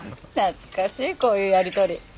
懐かしいこういうやり取り。